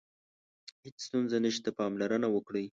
هیڅ ستونزه نشته، پاملرنه وکړئ.